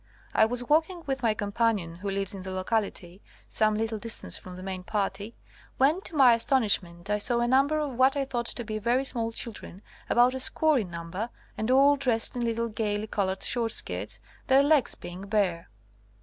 I was walk ing with my companion, who lives in the lo cality, some little distance from the main party, when to my astonishment I saw a number of what I thought to be very small children, about a score in number, and all dressed in little gaily coloured short skirts, their legs being bare.